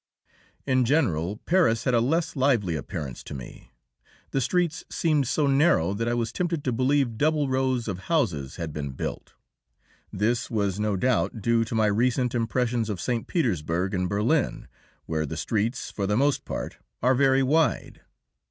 In general, Paris had a less lively appearance to me. The streets seemed so narrow that I was tempted to believe double rows of houses had been built. This was no doubt due to my recent impressions of St. Petersburg and Berlin, where the streets, for the most part, are very wide.